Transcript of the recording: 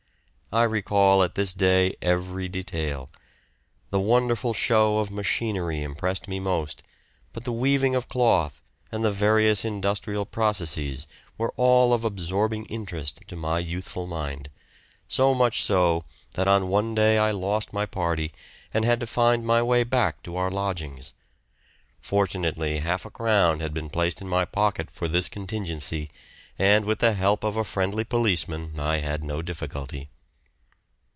I recall at this day every detail. The wonderful show of machinery impressed me most, but the weaving of cloth and the various industrial processes were all of absorbing interest to my youthful mind, so much so that on one day I lost my party, and had to find my way back to our lodgings. Fortunately, half a crown had been placed in my pocket for this contingency, and with the help of a friendly policeman I had no difficulty.